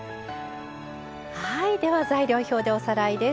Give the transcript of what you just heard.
はいでは材料表でおさらいです。